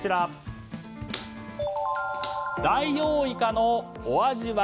ダイオウイカのお味は？